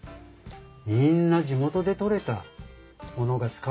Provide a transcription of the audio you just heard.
みんな地元で採れたものが使われているんです。